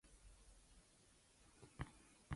Carswell and his wife Clementine have a daughter.